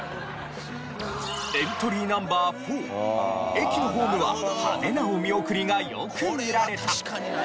エントリーＮｏ．４駅のホームは派手なお見送りがよく見られた。